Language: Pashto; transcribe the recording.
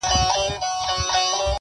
شپه په ورو ورو پخېدلای،